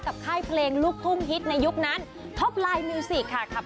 ค่ายเพลงลูกทุ่งฮิตในยุคนั้นท็อปไลน์มิวสิกค่ะ